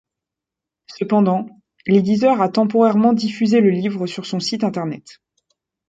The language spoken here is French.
Cependant, l'éditeur a temporairement diffusé le livre sur son site Internet.